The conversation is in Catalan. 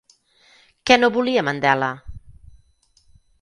Què no volia Mandela?